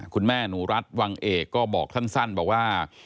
คุณแม่หนูรัฐวังเอกก็บอกสั้นบอกว่า